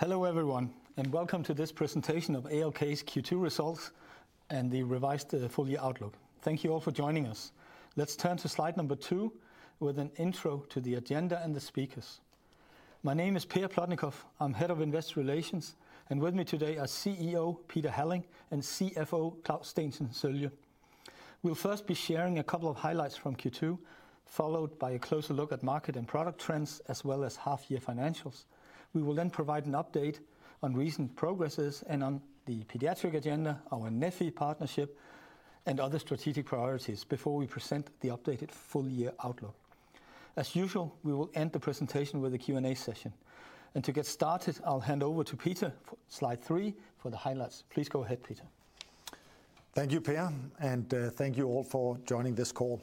Hello everyone and welcome to this presentation of ALK's Q2 results and the revised full year outlook. Thank you all for joining us. Let's turn to slide number two with an intro to the agenda and the speakers. My name is Per Plotnikof, I'm Head of Investor Relations and with me today are CEO Peter Halling and CFO Claus Steensen Sølje. We'll first be sharing a couple of highlights from Q2, followed by a closer look at market and product trends as well as half year financials. We will then provide an update on recent progresses and on the pediatric agenda, our Neffy partnership and other strategic priorities before we present the updated full year outlook. As usual, we will end the presentation with a Q&A session and to get started I'll hand over to Peter. Slide three for the highlights. Please go ahead Peter. Thank you Per. Thank you all for joining this call.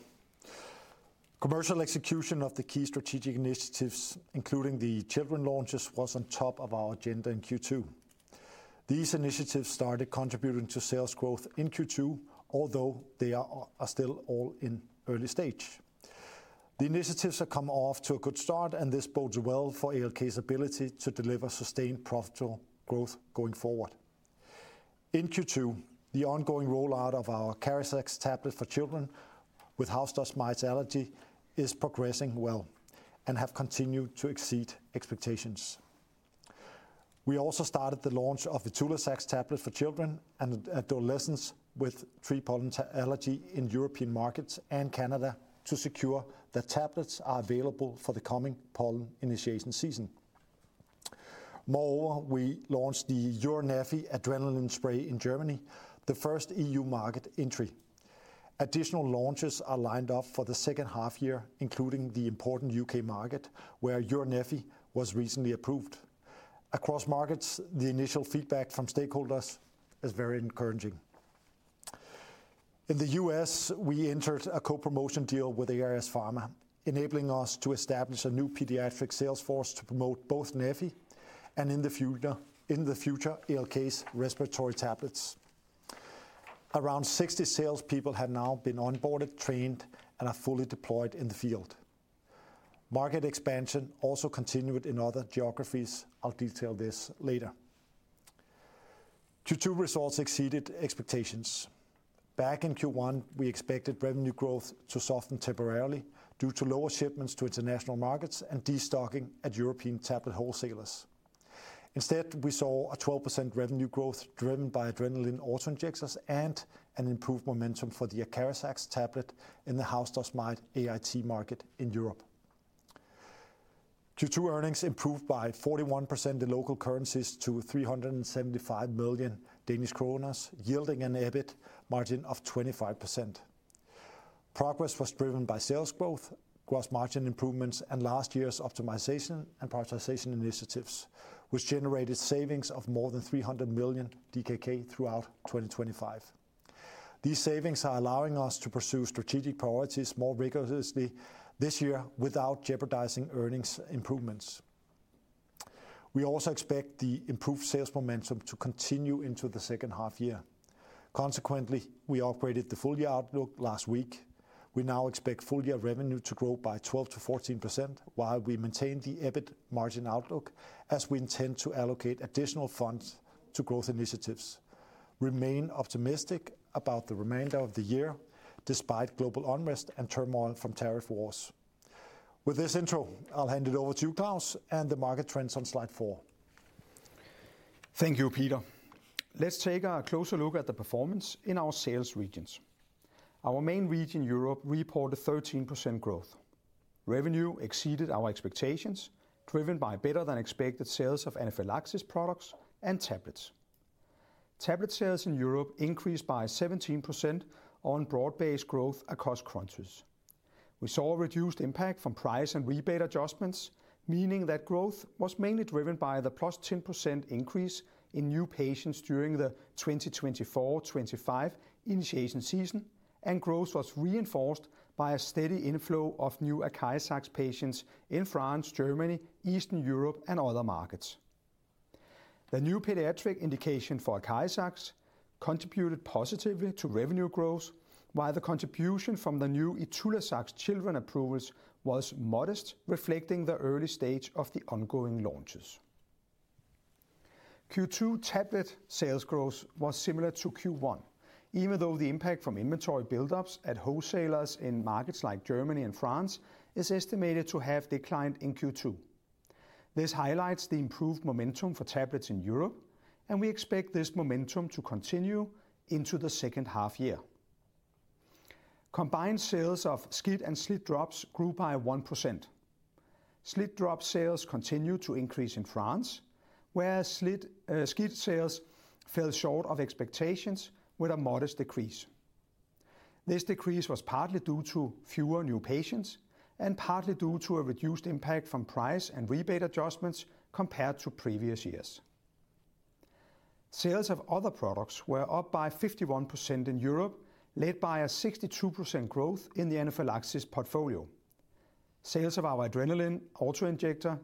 Commercial execution of the key strategic initiatives, including the children launches, was on top of our agenda in Q2. These initiatives started contributing to sales growth in Q2. Although they are still all in early stage, the initiatives have come off to a good start and this bodes well for ALK-Abelló's ability to deliver sustained, profitable growth going forward. In Q2, the ongoing rollout of our ACARIZAX tablet for children with house dust mite allergy is progressing well and has continued to exceed expectations. We also started the launch of the ITULAZAX tablet for children and adolescents with tree pollen allergy in European markets and Canada to secure that tablets are available for the coming pollen initiation season. Moreover, we launched the EURneffy adrenaline spray in Germany, the first EU market entry. Additional launches are lined up for the second half year, including the important U.K. market where EURneffy was recently approved. Across markets, the initial feedback from stakeholders is very encouraging. In the U.S., we entered a co-promotion deal with ARS Pharma enabling us to establish a new pediatric sales force to promote both EURneffy and, in the future, ALK-Abelló's respiratory tablets. Around 60 salespeople have now been onboarded, trained, and are fully deployed in the field. Market expansion also continued in other geographies. I'll detail this later. Q2 results exceeded expectations. Back in Q1, we expected revenue growth to soften temporarily due to lower shipments to international markets and destocking at European tablet wholesalers. Instead, we saw a 12% revenue growth driven by adrenaline auto-injectors and an improved momentum for the ACARIZAX tablet in the house dust mite AIT market in Europe. Q2 earnings improved by 41% in local currencies to 375 million Danish kroner, yielding an EBIT margin of 25%. Progress was driven by sales growth, gross margin improvements, and last year's optimization and prioritization initiatives, which generated savings of more than 300 million DKK throughout 2025. These savings are allowing us to pursue strategic priorities more rigorously this year without jeopardizing earnings. We also expect the improved sales momentum to continue into the second half year. Consequently, we upgraded the full year outlook last week. We now expect full year revenue to grow by 12%-14% while we maintain the EBIT margin outlook as we intend to allocate additional funds to growth initiatives. We remain optimistic about the remainder of the year despite global unrest and turmoil from tariff wars. With this intro, I'll hand it over to you, Claus, and the market trends on Slide 4. Thank you, Peter. Let's take a closer look at the performance in our sales regions. Our main region, Europe, reported 13% growth. Revenue exceeded our expectations, driven by better than expected sales of anaphylaxis products and tablets. Tablet sales in Europe increased by 17% on broad-based growth across countries. We saw reduced impact from price and rebate adjustments, meaning that growth was mainly driven by the +10% increase in new patients during the 2024/2025 initiation season, and growth was reinforced by a steady inflow of new ACARIZAX patients in France, Germany, Eastern Europe, and other markets. The new pediatric indication for ACARIZAX contributed positively to revenue growth, while the contribution from the new ITULAZAX children approvals was modest, reflecting the early stage of the ongoing launches. Q2 tablet sales growth was similar to Q1, even though the impact from inventory buildups at wholesalers in markets like Germany and France is estimated to have declined in Q2. This highlights the improved momentum for tablets in Europe, and we expect this momentum to continue into the second half year. Combined sales of SCIT and SLIT-drops grew by 1%. SLIT-drop sales continued to increase in France, whereas SCIT sales fell short of expectations with a modest decrease. This decrease was partly due to fewer new patients and partly due to a reduced impact from price and rebate adjustments compared to previous years. Sales of other products were up by 51% in Europe, led by a 62% growth in the Jext portfolio. Sales of our adrenaline auto-injector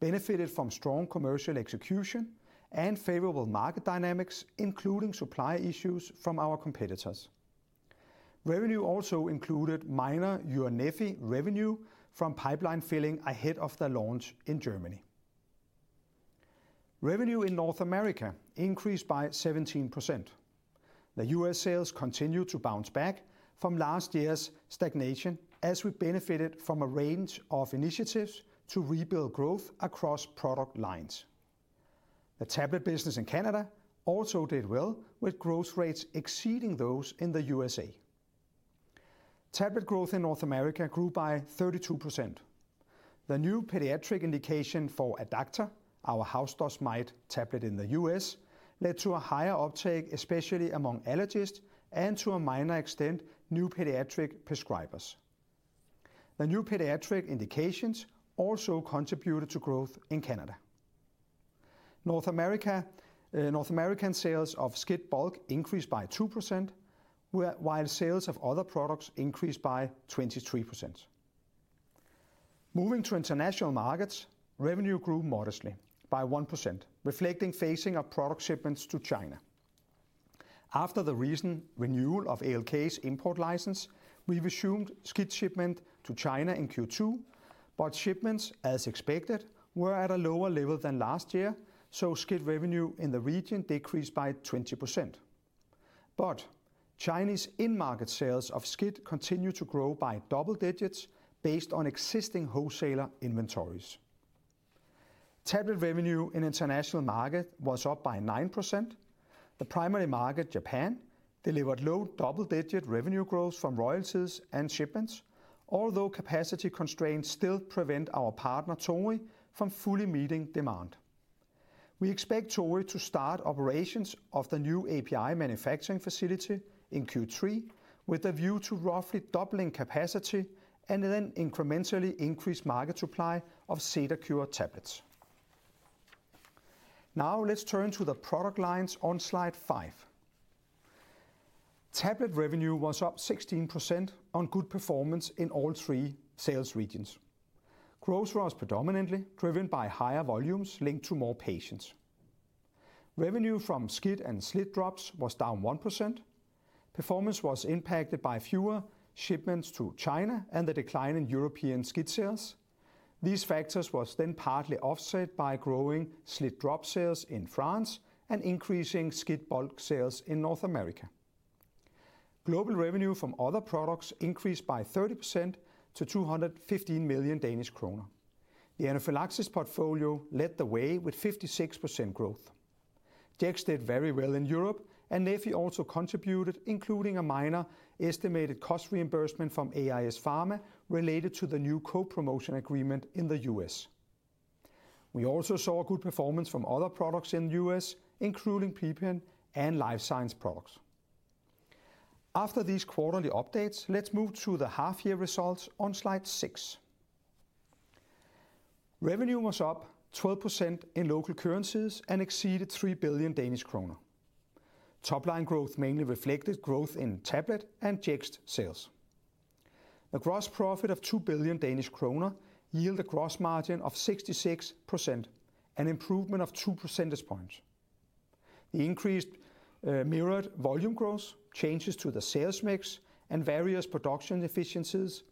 benefited from strong commercial execution and favorable market dynamics, including supply issues from our competitors. Revenue also included minor EURneffy revenue from pipeline filling ahead of the launch in Germany. Revenue in North America increased by 17%. U.S. sales continued to bounce back from last year's stagnation as we benefited from a range of initiatives to rebuild growth across product lines. The tablet business in Canada also did well, with growth rates exceeding those in the U.S. Tablet growth in North America grew by 32%. The new pediatric indication for our house dust mite tablet in the U.S. led to a higher uptake, especially among allergists and, to a minor extent, new pediatric prescribers. The new pediatric indications also contributed to growth in Canada. North American sales of SCIT bulk increased by 2%, while sales of other products increased by 23%. Moving to international markets, revenue grew modestly by 1% reflecting phasing of product shipments to China after the recent renewal of ALK-Abelló's import license. We resumed SKID shipment to China in Q2, but shipments as expected were at a lower level than last year. SKID revenue in the region decreased by 20%, but Chinese in-market sales of SKID continued to grow by double digits based on existing wholesaler inventories. [TEDWE] revenue in international markets was up by 9%. The primary market, Japan, delivered low double-digit revenue growth from royalties and shipments, although capacity constraints still prevent our partner Torii from fully meeting demand. We expect Torii to start operations of the new API manufacturing facility in Q3 with a view to roughly doubling capacity and then incrementally increasing market supply of CEDARCURE tablets. Now let's turn to the product lines on slide 5. Tablet revenue was up 16% on good performance in all three sales regions. Growth was predominantly driven by higher volumes linked to more patients. Revenue from SKID and SLIT-drops was down 1%. Performance was impacted by fewer shipments to China and the decline in European SKID sales. These factors were then partly offset by growing SLIT-drop sales in France and increasing SKID bulk sales in North America. Global revenue from other products increased by 30% to 215 million Danish kroner. The anaphylaxis portfolio led the way with 56% growth. Jext did very well in Europe and Neffy also contributed, including a minor estimated cost reimbursement from ARS Pharma related to the new co-promotion agreement in the U.S. We also saw good performance from other products in the U.S., including P-PEN and Life Science products. After these quarterly updates, let's move to the half-year results on slide 6. Revenue was up 12% in local currencies and exceeded 3 billion Danish kroner. Top-line growth mainly reflected growth in tablet and Jext sales. A gross profit of 2 billion Danish kroner yielded a gross margin of 66%, an improvement of 2 percentage points. The increase mirrored volume growth, changes to the sales mix, and various production efficiencies,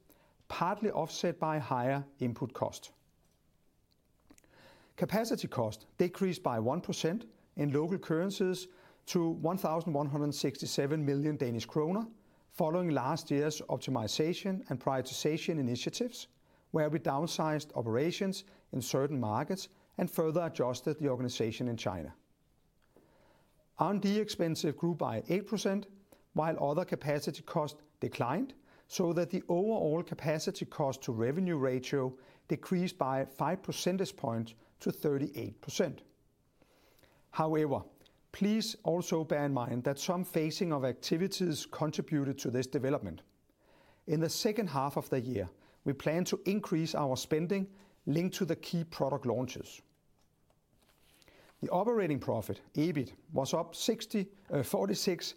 partly offset by higher input cost. Capacity cost decreased by 1% in local currencies to 1,167 million Danish kroner following last year's optimization and prioritization initiatives where we downsized operations in certain markets and further adjusted the organization. In China, R&D expenses grew by 8% while other capacity costs declined, so that the overall capacity cost to revenue ratio decreased by 5 percentage points to 38%. However, please also bear in mind that some phasing of activities contributed to this development. In the second half of the year, we plan to increase our spending linked to the key product launches. The operating profit EBIT was up 46%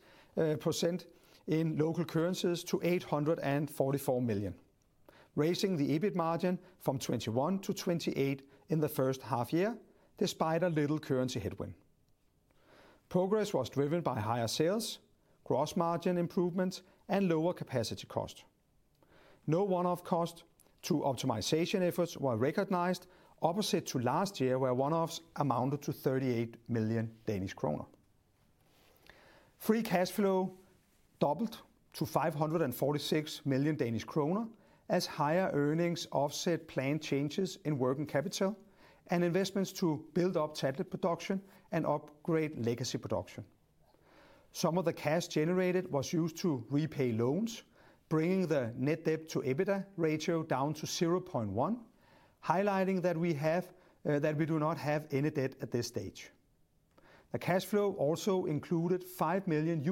in local currencies to 844 million, raising the EBIT margin from 21% to 28% in the first half year. Despite a little currency headwind, progress was driven by higher sales, gross margin improvements, and lower capacity cost. No one-off cost to optimization efforts were recognized. Opposite to last year, where one-offs amounted to 38 million Danish kroner, free cash flow doubled to 546 million Danish kroner as higher earnings offset planned changes in working capital and investments to build up tablet production and upgrade legacy production. Some of the cash generated was used to repay loans, bringing the net debt to EBITDA ratio down to 0.1, highlighting that we do not have any debt at this stage. The cash flow also included $million.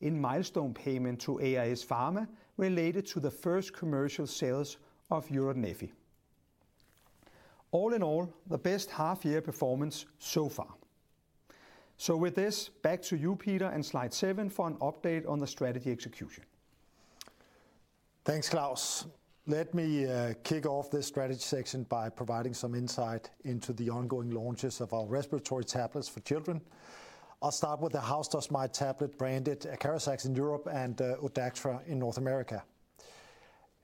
in milestone payment to ALK. Pharma related to the first commercial sales of EURneffy. All in all, the best half year performance so far. With this, back to you, Peter, and slide 7 for an update on the strategy execution. Thanks Claus. Let me kick off this strategy section by providing some insight into the ongoing launches of our respiratory tablets for start with the house dust mite tablet branded ACARIZAX in Europe and ODACTRA in North America.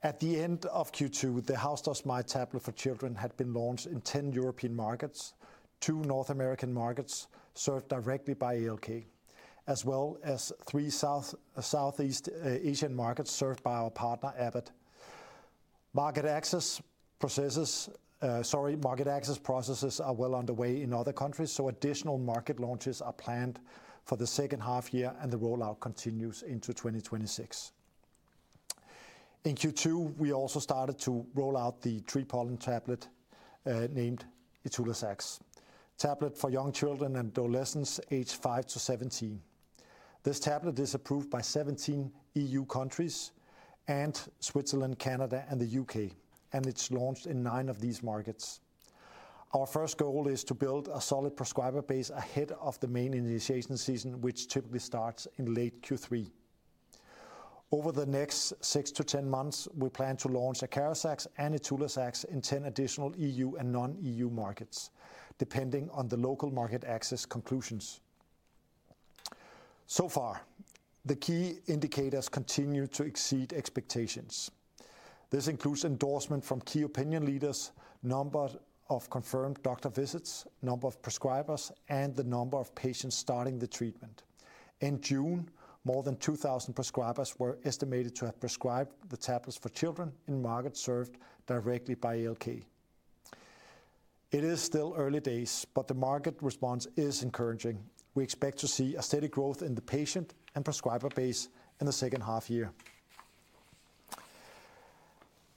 At the end of Q2, the house dust mite tablet for children had been launched in 10 European markets, two North American markets served directly by ALK as well as three Southeast Asian markets served by our partner Abbott. Market access processes are well underway in other countries, so additional market launches are planned for the second half year and the rollout continues into 2026. In Q2 we also started to roll out the tree pollen tablet named ITULAZAX tablet for young children and adolescents aged five to 17. This tablet is approved by 17 EU countries and Switzerland, Canada, and the U.K. and it's launched in nine of these markets. Our first goal is to build a solid prescriber base ahead of the main initiation season which typically starts in late Q3. Over the next six to 10 months, we plan to launch ACARIZAX and ITULAZAX in 10 additional EU and non-EU markets depending on the local market access. Conclusions so far, the key indicators continue to exceed expectations. This includes endorsement from key opinion leaders, number of confirmed doctor visits, number of prescribers, and the number of patients starting the treatment. In June, more than 2,000 prescribers were estimated to have prescribed the tablets for children in markets served directly by ALK. It is still early days but the market response is encouraging. We expect to see a steady growth in the patient and prescriber base in the second half year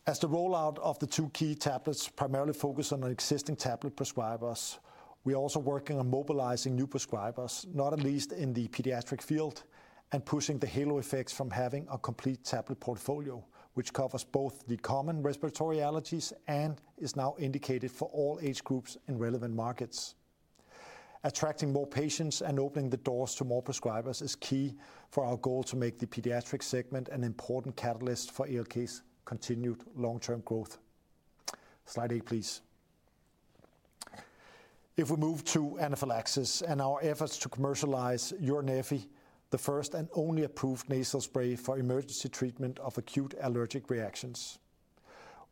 as the rollout of the two key tablets primarily focuses on existing tablet prescribers. We are also working on mobilizing new prescribers, not at least in the pediatric field, and pushing the halo effects from having a complete tablet portfolio which covers both the common respiratory allergies and is now indicated for all age groups in relevant markets. Attracting more patients and opening the doors to more prescribers is key for our goal to make the pediatric segment an important catalyst for ALK's continued long-term growth. Slide 8 please. If we move to anaphylaxis and our efforts to commercialize EURneffy, the first and only approved nasal spray for emergency treatment of acute allergic reactions.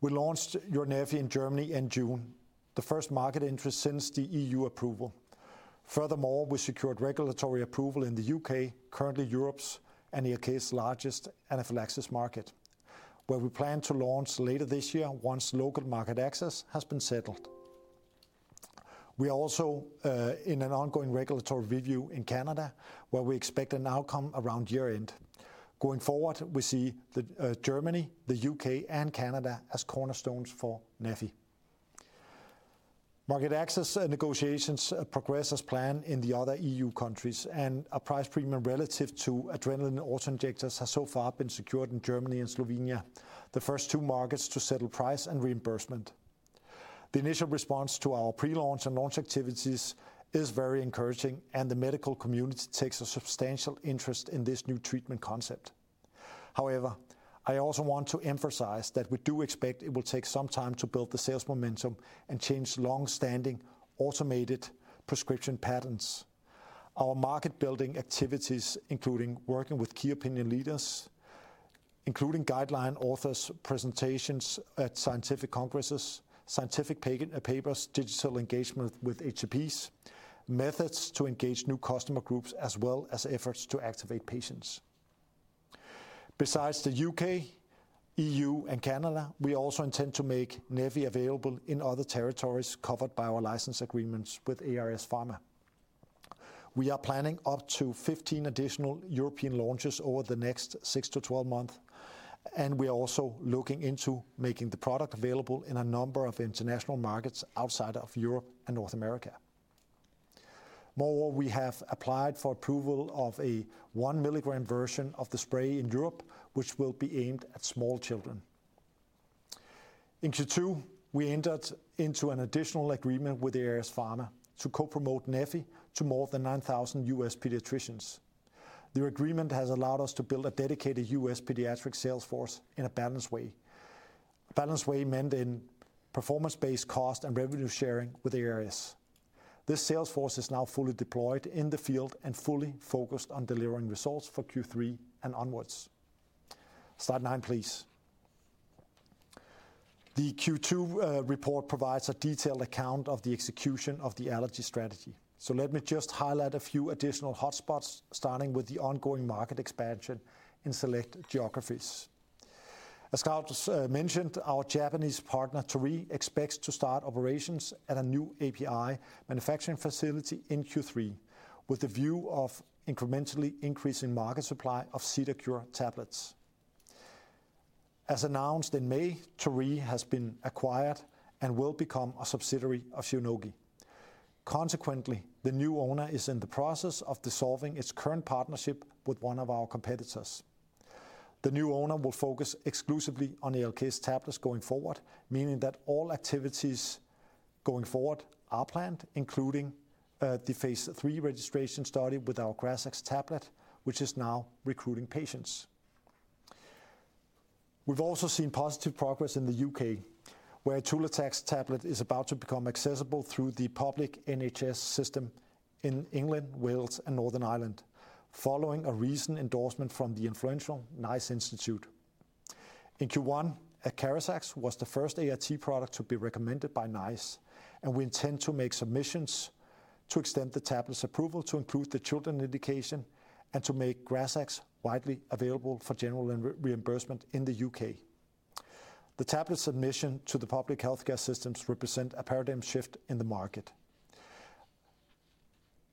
We launched EURneffy in Germany in June, the first market interest since the EU approval. Furthermore, we secured regulatory approval in the U.K., currently Europe's and U.K.'s largest NFL access market, where we plan to launch later this year once local market access has been settled. We are also in an ongoing regulatory review in Canada, where we expect an outcome around year end. Going forward, we see Germany, the U.K., and Canada as cornerstones for Neffy market access. Negotiations progress as planned in the other EU countries, and a price premium relative to adrenaline auto-injectors has so far been secured in Germany and Slovenia, the first two markets to settle price and reimbursement. The initial response to our pre-launch and launch activities is very encouraging, and the medical community takes a substantial interest in this new treatment concept. However, I also want to emphasize that we do expect it will take some time to build the sales momentum and change long-standing automated prescription patterns. Our market building activities include working with key opinion leaders, including guideline authors, presentations at scientific congresses, scientific papers, digital engagement with HCPs, methods to engage new customer groups, as well as efforts to activate patients. Besides the U.K., EU, and Canada, we also intend to make Neffy available in other territories covered by our license agreements with ARS Pharma. We are planning up to 15 additional European launches over the next six to 12 months, and we are also looking into making the product available in a number of international markets outside of Europe and North America. Moreover, we have applied for approval of a 1 milligram version of the spray in Europe, which will be aimed at small children. In Q2, we entered into an additional agreement with ARS Pharma to co-promote Neffy to more than 9,000 U.S. pediatricians. Their agreement has allowed us to build a dedicated U.S. pediatric sales force in a balanced way. Balanced way meant in performance-based cost and revenue sharing with ARS. This sales force is now fully deployed in the field and fully focused on delivering results for Q3 and onwards. Slide 9, please. The Q2 report provides a detailed account of the execution of the ALK strategy, so let me just highlight a few additional hotspots, starting with the ongoing market expansion in select geographies. As Claus Steensen Sølje mentioned, our Japanese partner Torii expects to start operations at a new API manufacturing facility in Q3 with the view of incrementally increasing market supply of CEDARCURE tablets. As announced in May, Torii has been acquired and will become a subsidiary of Shionogi. Consequently, the new owner is in the process of dissolving its current partnership with one of our competitors. The new owner will focus exclusively on ALK's tablets going forward, meaning that all activities going forward are planned, including the Phase III registration started with our GRAZAX tablet which is now recruiting patients. We've also seen positive progress in the U.K. where ITULAZAX tablet is about to become accessible through the public NHS system in England, Wales, and Northern Ireland following a recent endorsement from the influential NICE institute. In Q1, ACARIZAX was the first AIT product to be recommended by NICE and we intend to make submissions to extend the tablet's approval, to improve the children indication, and to make GRAZAX widely available for general reimbursement. In the U.K., the tablet submission to the public healthcare systems represents a paradigm shift in the market,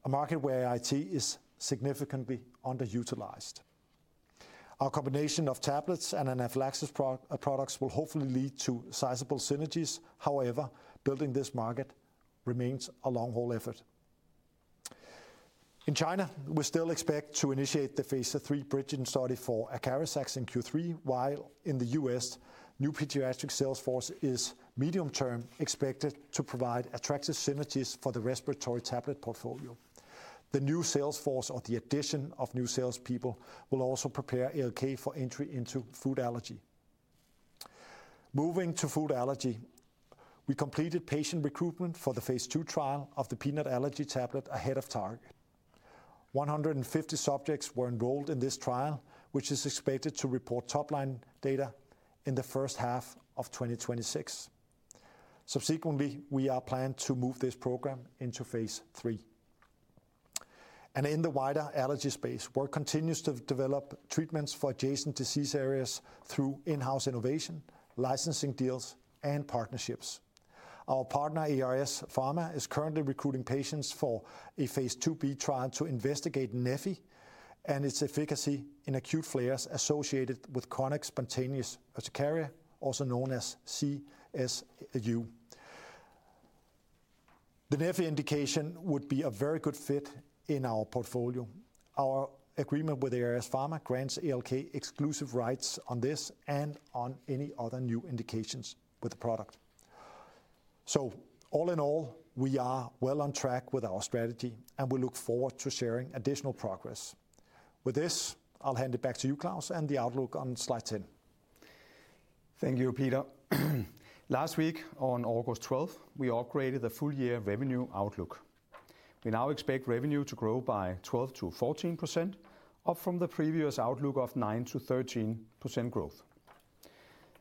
a market where AIT is significantly underutilized. Our combination of tablets and anaphylaxis products will hopefully lead to sizable synergies. However, building this market remains a long haul effort. In China, we still expect to initiate the Phase III bridging study for ACARIZAX in Q3 while in the U.S., new pediatric sales force is medium term expected to provide attractive synergies for the respiratory tablet portfolio, the new sales force or the addition of new salespeople will also prepare ALK for entry into food allergy. Moving to food allergy, we completed patient recruitment for the Phase II trial of the peanut allergy tablet ahead of target. 150 subjects were enrolled in this trial which is expected to report top line data in the first half of 2026. Subsequently, we are planning to move this program into Phase III and in the wider allergy space, work continues to develop treatments for adjacent disease areas through in-house innovation, licensing deals, and partnerships. Our partner ARS Pharma is currently recruiting patients for a Phase II-B trial to investigate Neffy and its efficacy in acute flares associated with chronic spontaneous urticaria, also known as CSU. The Neffy indication would be a very good fit in our portfolio. Our agreement with ARS Pharma grants ALK exclusive rights on this and on any other new indications with the product. All in all, we are well on track with our strategy and we look forward to sharing additional progress with this. I'll hand it back to you Claus and the outlook on slide 10. Thank you, Peter. Last week on August 12, we upgraded. The full year revenue outlook. We now expect revenue to grow by 12%-14%, up from the previous. Outlook of 9%-13%.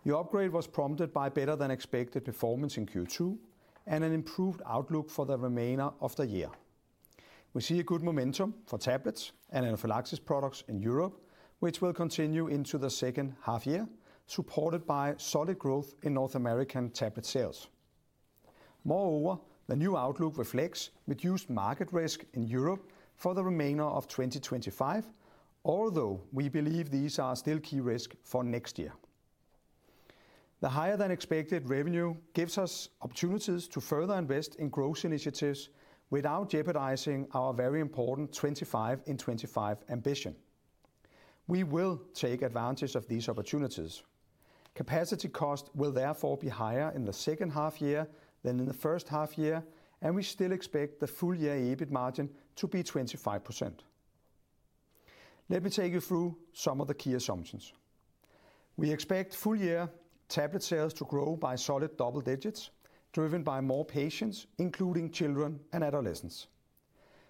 The upgrade was prompted by better than expected performance in Q2 and an improved outlook for the remainder of the year. We see a good momentum for tablets and anaphylaxis products in Europe, which will continue into the second half year, supported by solid growth in North American tablet sales. Moreover, the new outlook reflects reduced market risk in Europe for the remainder of 2025, although we believe these are still key risks for next year. The higher than expected revenue gives us opportunities to further invest in growth initiatives without jeopardizing our very important 25 in 25 ambition. We will take advantage of these opportunities. Capacity cost will therefore be higher in the second half year than in the first half year and we still expect the full year EBIT margin to be 25%. Let me take you through some of the key assumptions. We expect full year tablet sales to grow by solid double digits driven by more patients, including children and adolescents.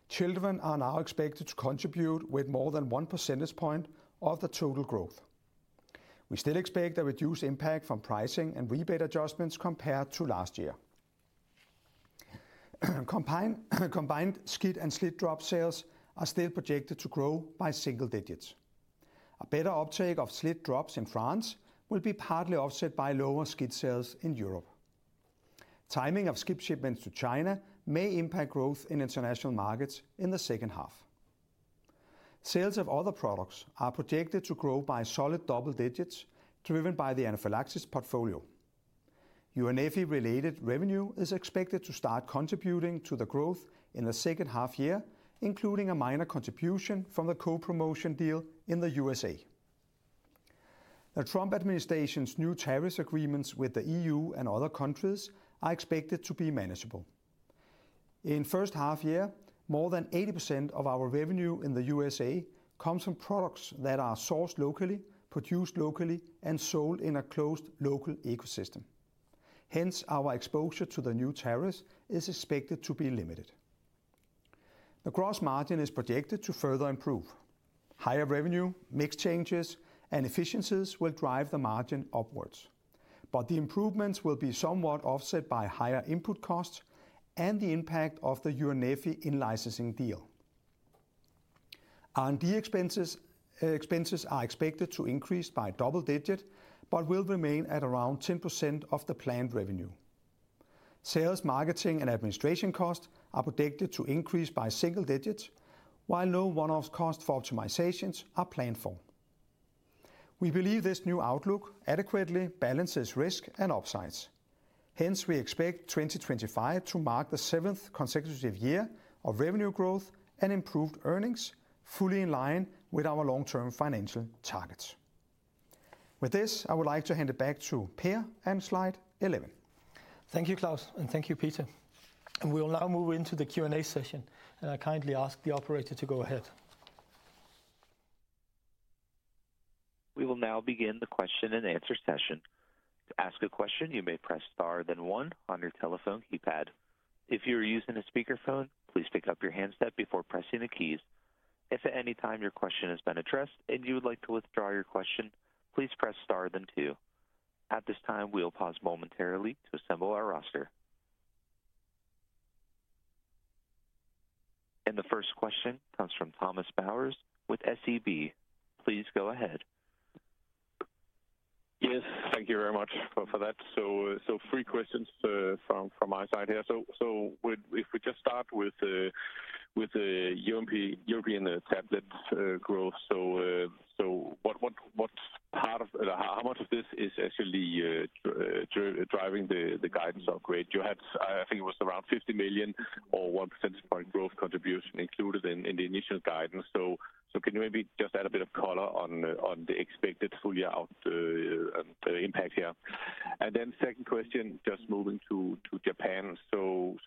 Children are now expected to contribute with more than 1 percentage point of the total growth. We still expect a reduced impact from pricing and rebate adjustments compared to last year. Combined SCIT and SCIT drop sales are still projected to grow by single digits. A better uptake of SLIT-drops in France will be partly offset by lower SCIT sales in Europe. Timing of SCIT shipments to China may impact growth in international markets in the second half. Sales of other products are projected to grow by solid double digits driven by the anaphylaxis portfolio. EURneffy related revenue is expected to start contributing to the growth in the second half year, including a minor contribution from the co-promotion deal in the U.S. The Trump administration's new tariff agreements with the EU and other countries are expected to be manageable in first half year. More than 80% of our revenue in the U.S. comes from products that are sourced locally, produced locally and sold in a closed local ecosystem. Hence our exposure to the new tariffs is expected to be limited. The gross margin is projected to further improve. Higher revenue, mix changes and efficiencies will drive the margin upwards, but the improvements will be somewhat offset by higher input costs and the impact of the uneven licensing deal. R&D expenses are expected to increase by double digits but will remain at around 10% of the planned revenue. Sales, marketing and administration costs are predicted to increase by single digits while low one-off cost for optimizations are planful. We believe this new outlook adequately balances risk and upsides. Hence we expect 2025 to mark the seventh consecutive year of revenue growth and improved earnings fully in line with our long term financial targets. With this I would like to hand it back to Per and slide 11. Thank you Claus and thank you Peter. We will now move into the Q&A session, and I kindly ask the operator to go ahead. We will now begin the question-and-answer session. To ask a question you may press Star then one on your telephone keypad. If you are using a speakerphone, please pick up your handset before pressing the keys. If at any time your question has been addressed and you would like to withdraw your question, please press Star then two. At this time, we will pause momentarily to assemble our roster, and the first question comes from Thomas Schultz Bowers with SEB. Please go ahead. Yes, thank you very much for that. Three questions from my side here. If we just start with the European tablets growth, how much of this is actually driving the guidance upgrade you had? I think it was around 50 million or 1% growth contribution included in the initial guidance. Can you maybe just add a bit of color on the expected full year out impact here? Second question, just moving to Japan.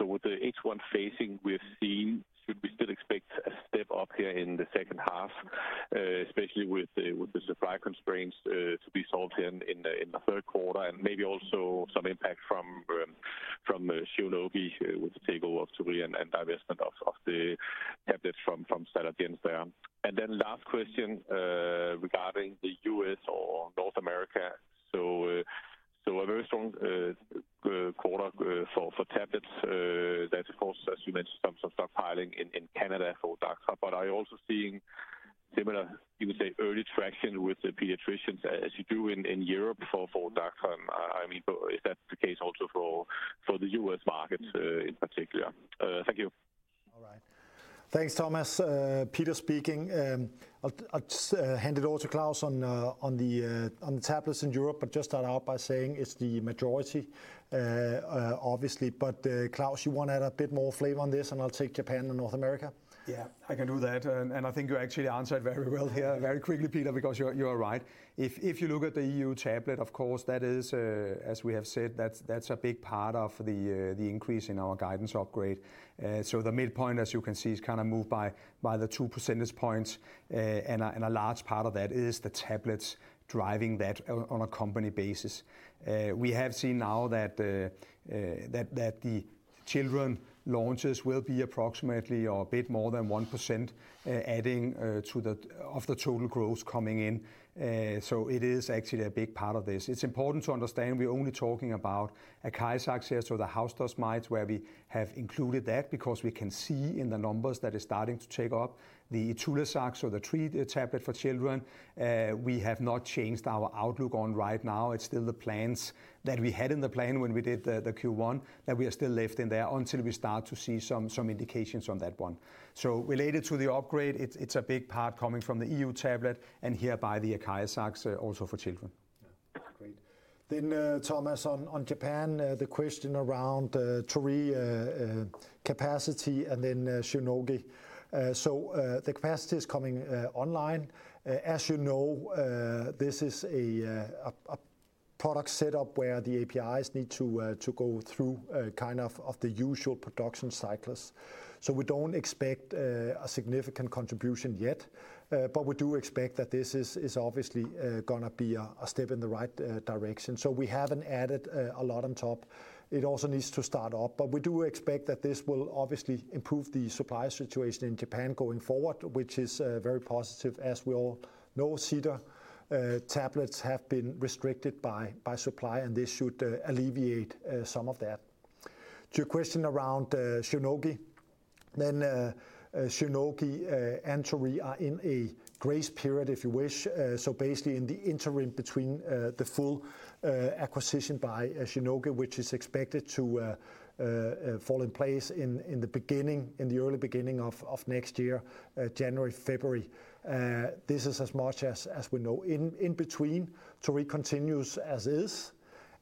With the H1 phasing we've seen, should we still expect a step up here in the second half, especially with the supply constraints to be solved in the third quarter and maybe also some impact from Shionogi with the table of turbulent and divestment of the captives from Stella. Jens there. Last question regarding the U.S. or North America. A very strong quarter for Tepid, that of course as you mentioned some stuff hiling in Canada for Dacha, but are you also seeing similar, you can say, early traction with the pediatricians as you do in Europe for Dacha? Is that the case also for the U.S. market in particular? Thank you. All right, thanks Thomas. Peter speaking. I'd hand it over to Claus on the tablets in Europe, but just start out by saying it's the majority obviously. Claus, you want to add a bit more flavor on this and I'll take Japan and North America. Yeah, I can do that. I think you actually answered very well here very quickly, Peter, because you are right. If you look at the EU tablet, of course, that is as we have said, that's a big part of the increase in our guidance upgrade. The midpoint, as you can see, is kind of moved by the 2 percentage points, and a large part of that is the tablets driving that on a company basis. We have seen now that the children launches will be approximately or a bit more than 1% adding to the total growth coming in. It is actually a big part of this. It's important to understand we're only talking about ACARIZAX, so the house dust mites, where we have included that because we can see in the numbers that is starting to take up. The ITULAZAX or the tree tablet for children, we have not changed our outlook on right now. It's still the plans that we had in the plan when we did the Q1 that we are still left in there until we start to see some indications on that one. Related to the upgrade, it's a big part coming from the EU tablet and hereby the ACARIZAX also for children. Great. Thomas, on Japan, the question around Torii capacity and then Shionogi. The capacity is coming online. As you know, this is a product setup where the APIs need to go through kind of the usual production cycles. We don't expect a significant contribution yet. We do expect that this is obviously going to be a step in the right direction. We haven't added a lot on top. It also needs to start up. We do expect that this will obviously improve the supply situation in Japan going forward, which is very positive. As we all know, cedar tablets have been restricted by supply, and this should alleviate some of that. To your question around Shionogi, Shionogi and Torii are in a grace period, if you wish. Basically, in the interim between the full acquisition by Shionogi, which is expected to fall in place in the early beginning of next year, January, February, this is as much as we know. In between, Torii continues as is,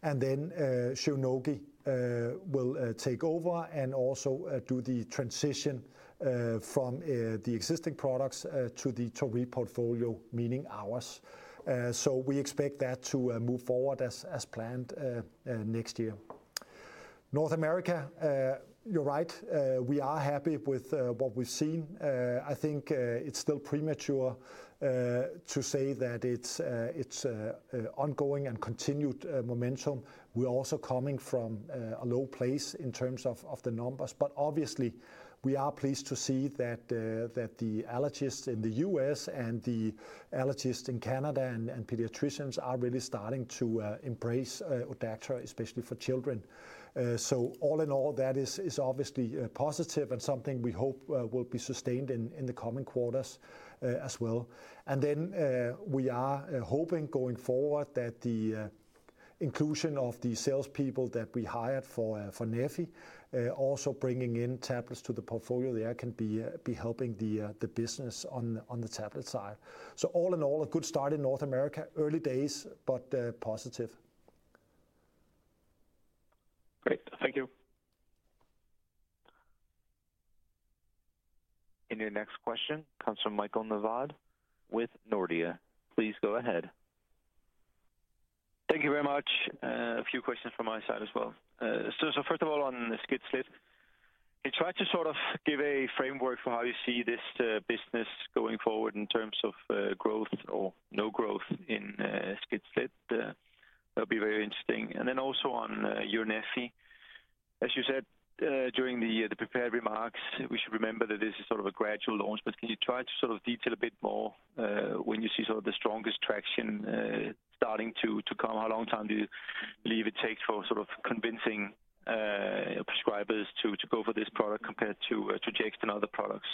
and then Shionogi will take over and also do the transition from the existing products to the Torii portfolio, meaning ours. We expect that to move forward as planned next year, North America. You're right. We are happy with what we've seen. I think it's still premature to say that it's ongoing and continued momentum. We're also coming from a low place in terms of the numbers. Obviously, we are pleased to see that the allergists in the U.S. and the allergists in Canada and pediatricians are really starting to embrace Odactra, especially for children. All in all, that is obviously positive and something we hope will be sustained in the coming quarters as well. We are hoping going forward that the inclusion of the salespeople that we hired for Neffy, also bringing in tablets to the public portfolio there, can be helping the business on the tablet side. All in all, a good start in North America. Early days, but positive. Thank you. Your next question comes from Michael Novod with Nordea. Please go ahead. Thank you very much. A few questions from my side as well. First of all, on SCIT, SLIT-drops, try to sort of give a framework for how you see this business going forward in terms of growth or no growth in SCIT state. That'll be very interesting. Also, on your Neffy, as you said during the prepared remarks, we. Should remember that this is sort of. A gradual launch, but can you try to sort of detail a bit more when you see sort of the strongest traction starting to come? How long time do you believe it takes for sort of convincing prescribers to go for this product compared to Jext and other products?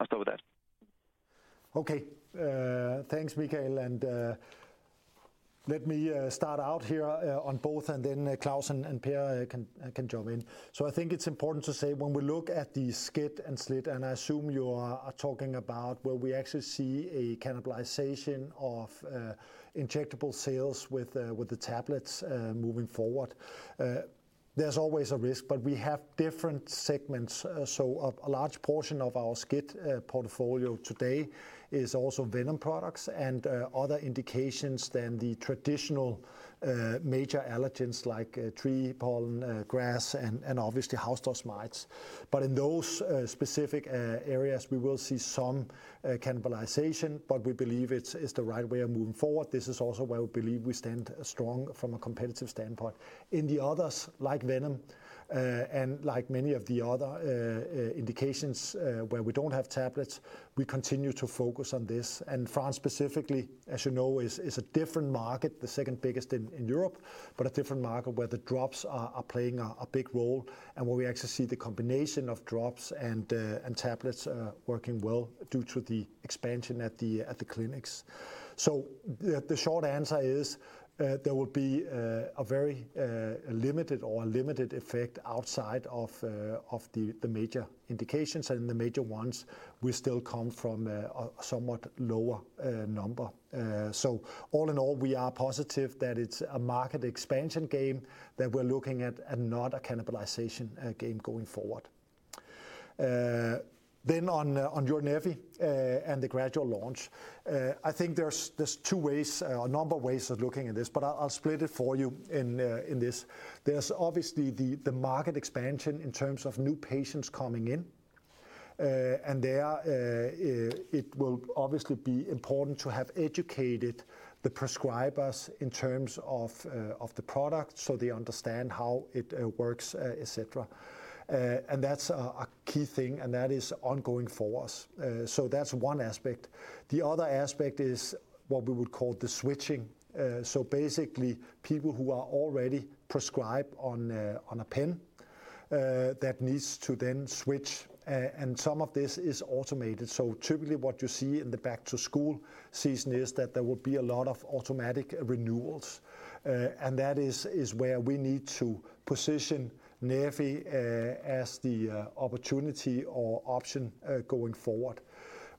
I'll start with that. Okay, thanks, Mikael. Let me start out here on both and then Claus and Per can jump in. I think it's important to say when we look at the SCIT and SLIT, and I assume you are talking about where we actually see a cannibalization of injectable sales with the tablets moving forward, there's always a risk, but we have different segments. A large portion of our SCIT portfolio today is also venom products and other indications than the traditional major allergens like tree pollen, grass, and obviously house dust mites. In those specific areas we will see some cannibalization, but we believe it's the right way of moving forward. This is also where we believe we stand strong from a competitive standpoint. In the others, like venom and like many of the other indications where we don't have tablets, we continue to focus on this. France specifically, as you know, is a different market, the second biggest in Europe, but a different market where the drops are playing a big role and where we actually see the combination of drops and tablets working well due to the expansion at the clinics. The short answer is there will be a very limited or limited effect outside of the major indications and the major ones will still come from somewhat lower number. All in all, we are positive that it's a market expansion game that we're looking at and not a cannibalization game. Going forward, on your Neffy and the gradual launch, I think there's two ways, a number of ways of looking at this, but I'll split it for you in this. There's obviously the market expansion in terms of new patients coming in and there it will obviously be important to have educated the prescribers in terms of the product so they understand how it works, etc. That's a key thing and that is ongoing for us. That's one aspect. The other aspect is what we would call the switching. Basically, people who are already prescribed on a page that needs to then switch and some of this is automated. Typically, what you see in the back to school season is that there will be a lot of automatic renewals and that is where we need to position Neffy as the opportunity or option going forward.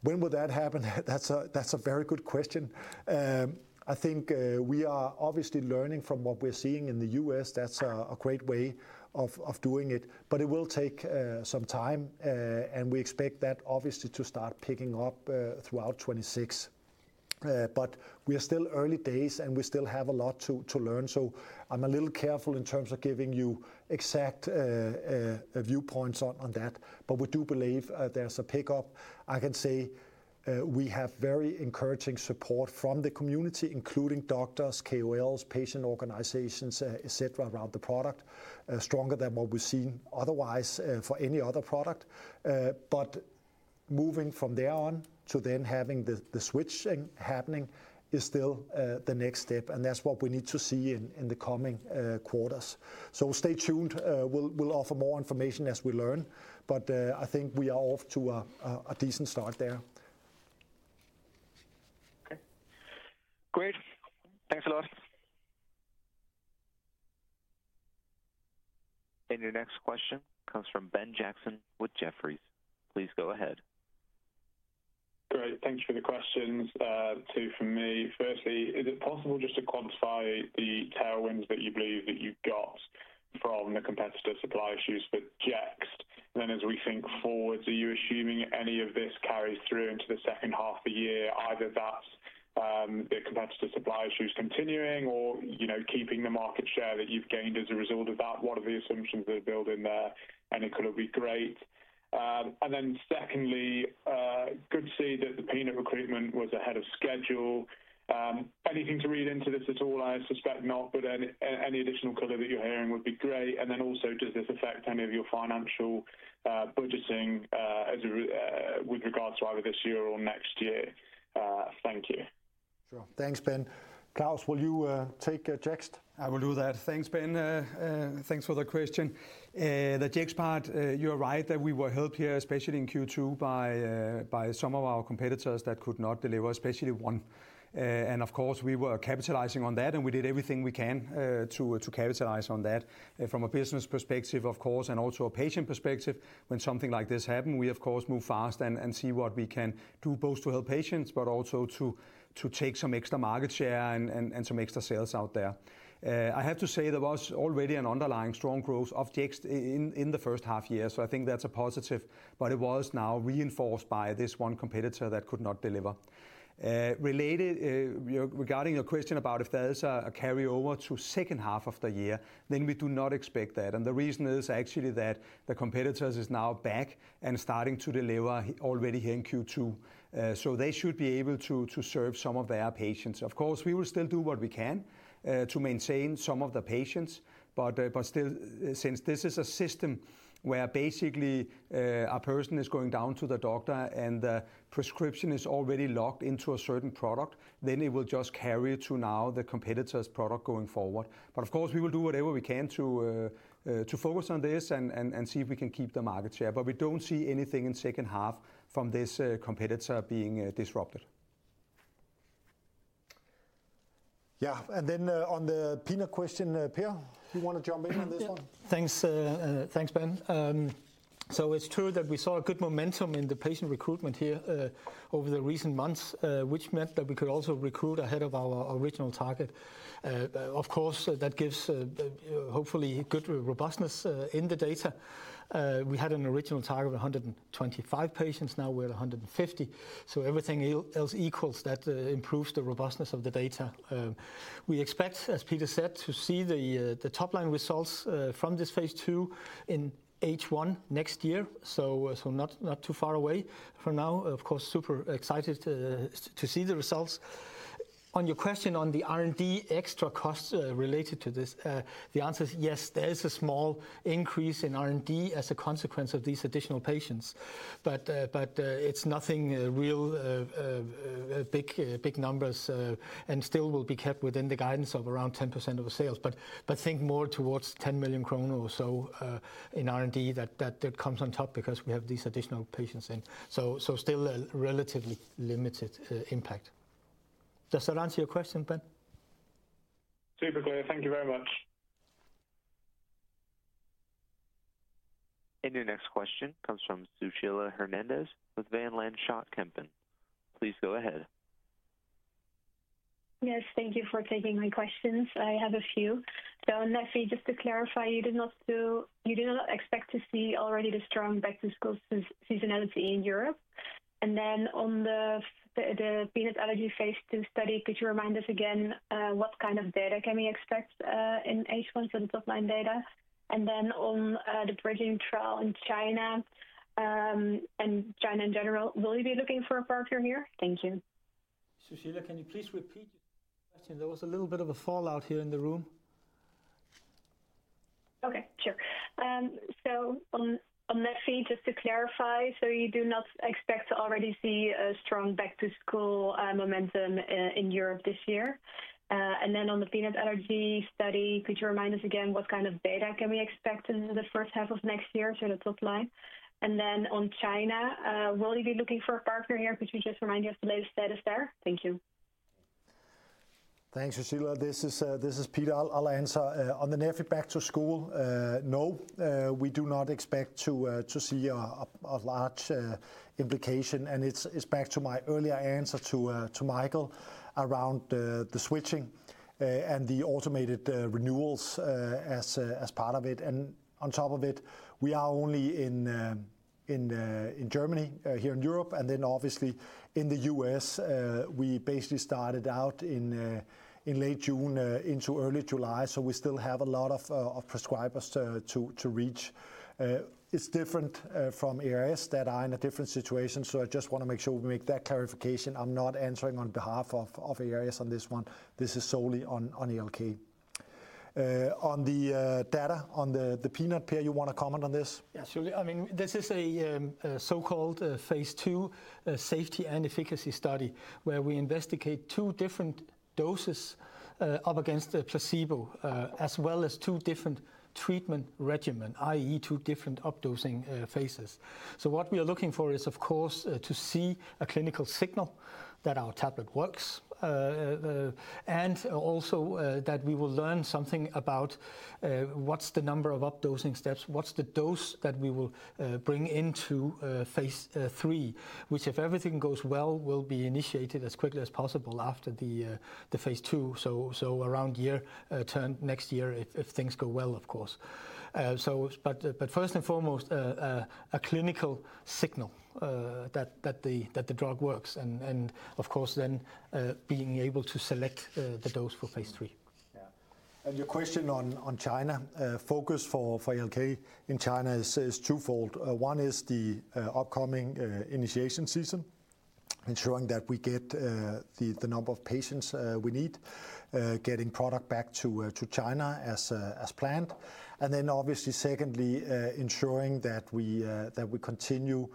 When will that happen? That's a very good question. I think we are obviously learning from what we're seeing in the U.S. That's a great way of doing it, but it will take some time and we expect that obviously to start picking up throughout 2026, but we are still early days and we still have a lot to learn. I'm a little careful in terms of giving you exact viewpoints on that, but we do believe there's a pickup. I can say we have very encouraging support from the community, including doctors, KOLs, patient organizations, et cetera, around the product. Stronger than what we've seen otherwise for any other product. Moving from there on to then having the switching happening is still the next step, and that's what we need to see in the coming quarters. Stay tuned. We'll offer more information as we learn, but I think we are off to a decent start there. Okay, great. Thanks a lot. Your next question comes from Benjamin Jackson with Jefferies LLC. Please go ahead. Great. Thanks for the questions. Two from me. Firstly, is it possible just to quantify the tailwinds that you believe that you've got from the competitive supply issues for Jext? As we think forwards, are you assuming any of this carries through into the second half of the year? Either that's the competitor supply issues continuing or keeping the market share that you've gained as a result of that, what are the assumptions that build in there? It could all be great. Secondly, good to see that the peanut recruitment was ahead of schedule. Anything to read into this at all? I suspect not, but any additional color that you're hearing would be great. Also, does this affect any of your financial budgeting with regards to either this year or next year? Thank you. Sure. Thanks. Benjamin Jackson, will you take that? I will do that. Thanks, Ben. Thanks for the question. The Jext part, you're right that we were helped here, especially in Q2 by some of our competitors that could not deliver, especially one. Of course, we were capitalizing on that and we did everything we can to capitalize on that from a business perspective, of course, and also a patient perspective. When something like this happens, we of course move fast and see what we can do both to help patients, but also to take some extra market share and some extra sales out there. I have to say there was already an underlying strong growth of Jext in the first half year, so I think that's a positive. It was now reinforced by this one competitor that could not deliver. Regarding your question about if there is a carryover to second half of the year, we do not expect that. The reason is actually that the competitors are now back and starting to deliver already here in Q2, so they should be able to serve some of their patients. Of course, we will still do what we can to maintain some of the patients. Still, since this is a system where basically a person is going down to the doctor and the prescription is already locked into a certain product, it will just carry to now the competitor's product going forward. Of course, we will do whatever we can to focus on this and see if we can keep the market share, but we don't see anything in second half from this competitor being disrupted. Yeah. On the Pinot question, Per, you want to jump in on this one? Thanks. Thanks, Ben. It's true that we saw good momentum in the patient recruitment here over the recent months, which meant that we could also recruit ahead of our original target. Of course, that gives hopefully good robustness in the data. We had an original target, 100 patients, 125 patients. Now we're at 150. Everything else equal, that improves the robustness of the data. We expect, as Peter said, to see the top line results from this Phase II in H1 next year. Not too far away from now, of course. Super excited to see the results. On your question on the R&D extra costs related to this, the answer is yes, there is a small increase in R&D as a consequence of these additional patients, but it's nothing real big numbers and still will be kept within the guidance of around 10% of the sales. Think more towards 10 million kroner or so in R&D that comes on top because we have these additional patients in, so still a relatively limited impact. Does that answer your question, Ben? Super great. Thank you very much. Your next question comes from Sushila Hernandez with Van Lanschot Kempen. Please go ahead. Yes, thank you for taking my questions. I have a few on Neffy, just to clarify, you do not expect to see already the strong back to school seasonality in Europe? On the peanut allergy Phase II study, could you remind us again what kind of data can we expect in H1? The top line data, and then on the bridging trial in China and China in general, will you be looking for a partner? Thank you. Sushila, can you please repeat? There was a little bit of a fallout here in the room. Okay, sure. On Neffy, just to clarify, you do not expect to already see a strong back to school momentum in Europe this year. On the peanut allergy study, could you remind us again what kind of data can we expect in the first half of next year, the top line? On China, will you be looking for a partner here? Could you just remind us of the latest status there? Thank you. Thanks. Asila, this is Peter. I'll answer on the Neffy back to school. No, we do not expect to see a large implication. It's back to my earlier answer to Michael around the switching and the automated renewals as part of it. On top of it, we are only in Germany here in Europe, and obviously in the U.S. we basically started out in late June into early July. We still have a lot of prescribers to reach. It's different from adrenaline auto-injectors that are in a different situation. I just want to make sure we make that clarification. I'm not answering on behalf of ARS Pharma on this one. This is solely on ALK. Okay. On the data on the peanut Per, you want to comment on this? Yeah, sure. This is a so-called Phase II safety and efficacy study where we investigate two different doses up against the placebo as well as two different treatment regimens, that is, two different updosing phases. What we are looking for is, of course, to see a clinical signal that our tablet works and also that we will learn something about what's the number of updosing steps, what's the dose that we will bring into Phase III, which, if everything goes well, will be initiated as quickly as possible after the Phase II. Around year term next year if things go well, of course. First and foremost, a clinical signal that the drug works and then being able to select the dose for Phase III. Your question on China focus for ALK in China is twofold. One is the upcoming initiation season, ensuring that we get the number of patients we need, getting product back to China as planned, and then obviously, secondly, ensuring that we continue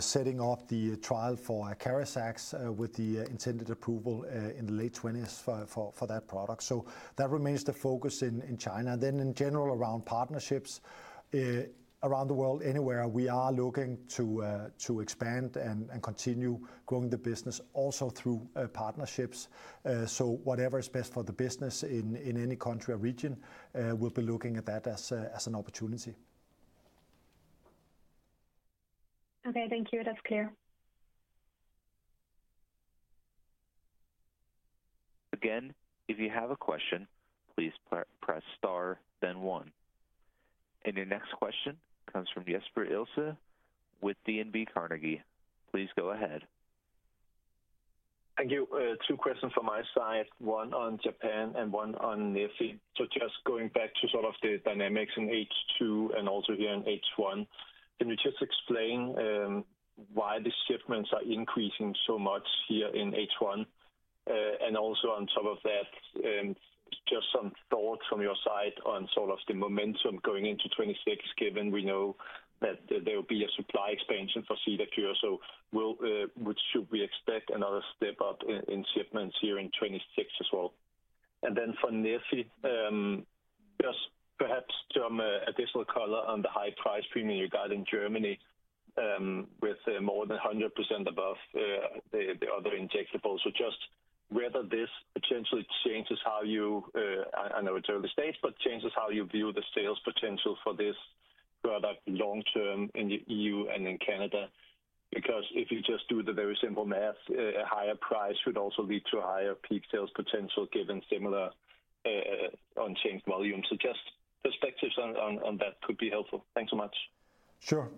setting up the trial for ACARIZAX with the intended approval in the late 2020s for that product. That remains the focus in China. In general, around partnerships around the world, anywhere we are looking to expand and continue growing the business also through partnerships. Whatever is best for the business in any country or region, we'll be looking at that as an opportunity. Okay, thank you, that's clear. Again, if you have a question, please press Star then one. Your next question comes from Jesper Ilsøe with DNB Carnegie. Please go ahead. Thank you. Two questions from my side, one on Japan and one on Neffy. Just going back to sort of the dynamics in H2 and also here in H1. Can you just explain why the shipments are increasing so much here in H1? Also, just some thoughts from your side on the momentum going into 2026 given we know that there will be a supply expansion for CEDARCURE. Should we expect another step up in shipments here in 2026 as well? For Neffy, just perhaps some additional color on the high price premium regarding Germany with more than 100% above the other injectables. Whether this potentially changes how you—I know it's early stage—but changes how you view the sales potential for this product long term in the EU and in Canada. If you just do the very simple math, a higher price should also lead to a higher peak sales potential given similar unchanged volumes. Perspectives on that could be helpful. Thanks so much. Sure.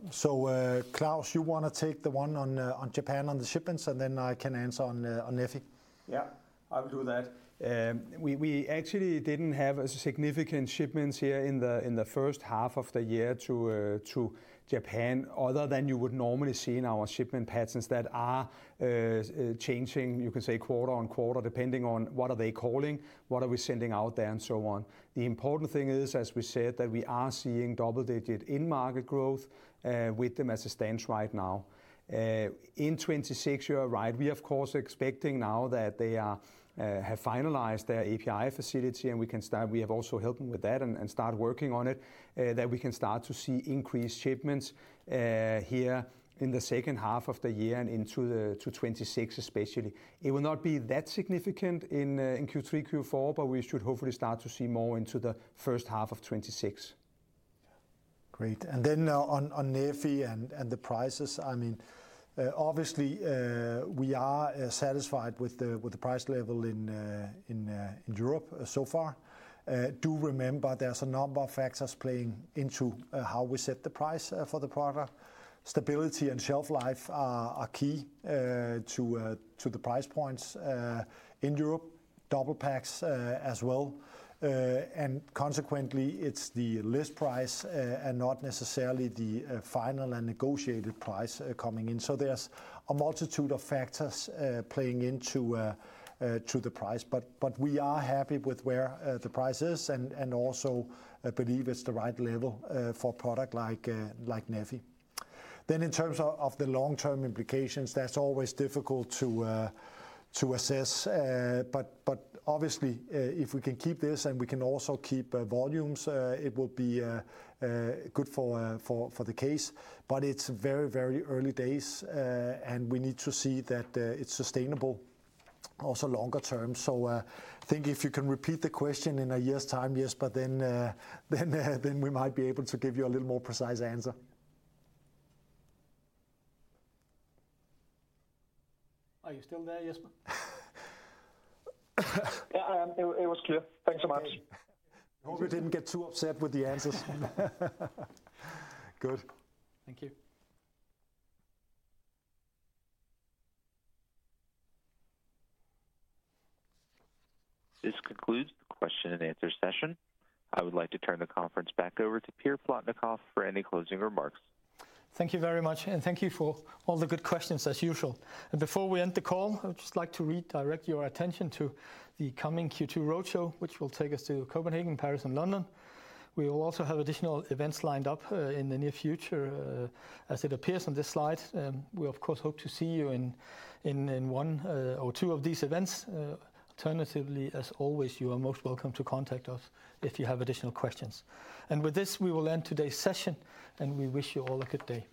Claus, you want to take the one on Japan on the shipments, and then I can answer on Neffy? Yeah, I will do that. We actually didn't have significant shipments here in the first half of the year to Japan other than you would normally see in our shipment patterns that are changing. You can say quarter on quarter depending on what are they calling, what are we sending out there, and so on. The important thing is, as we said, that we are seeing double-digit in-market growth with them as it stands right now in 2026. We are of course expecting now that they have finalized their API facility and we have also helped them with that and started working on it, that we can start to see increased shipments here in the second half of the year and into 2026 especially. It will not be that significant in Q3, Q4, but we should hopefully start to see more into 1H 2026. Great. On Neffy and the prices, we are satisfied with the price level in Europe so far. Do remember there's a number of factors playing into how we set the price for the product. Stability and shelf life are key to the price points in Europe. Double packs as well, and consequently it's the list price and not necessarily the final and negotiated price coming in. There's a multitude of factors playing into the price, but we are happy with where the price is and also believe it's the right level for a product like Neffy. In terms of the long term implications, that's always difficult to assess. Obviously, if we can keep this and we can also keep volumes, it will be good for the case. It's very early days and we need to see that it's sustainable also longer term. I think if you can repeat the question in a year's time, then we might be able to give you a little more prec. Are you still there, Jesper? Yeah, I am. It was clear. Thanks so much. Hope you didn't get too upset with the answers. Good. Thank you. This concludes the question-and-answer session. I would like to turn the conference back over to Per Plotnikof for any closing remarks. Thank you very much and thank you for all the good questions as usual. Before we end the call, I would just like to redirect your attention to the coming Q2 roadshow which will take us to Copenhagen, Paris, and London. We will also have additional events lined up in the near future, as it appears on this slide. We, of course, hope to see you in one or two of these events. Alternatively, as always, you are most welcome to contact us if you have additional questions. With this, we will end today's session and we wish you all a good day. Goodbye.